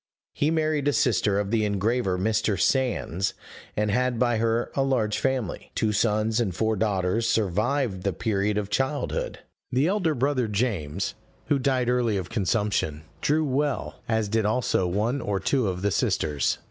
He married a sister of the engraver Mr. Sands, and had by her a large family; two sons and four daughters survived the period of childhood. The elder brother, James, who died early of consumption, drew well, as did also one or two of the sisters.